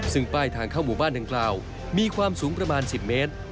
ซึ่งป้ายทางเข้าหมู่บ้านดังกล่าวมีความสูงประมาณ๑๐เมตร